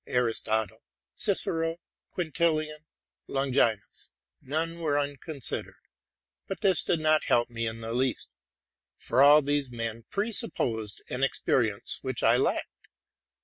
Aristotle, Cicero, Quintilian, Longi nus, — none were unconsidered ; but this did not help me in the least, for all these men presupposed an experience which I lacked.